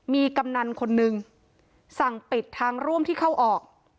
มีกำนันคนนึงสั่งปิดทางร่วมที่เข้าออก